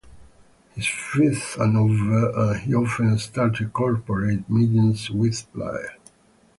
His faith was overt, and he often started corporate meetings with prayer.